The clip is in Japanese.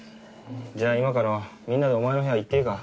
じゃあ今からみんなでお前の部屋行っていいか？